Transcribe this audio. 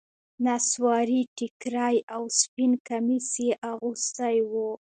نصواري ټيکری او سپين کميس يې اغوستي وو.